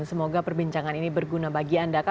semoga perbincangan ini berguna bagi anda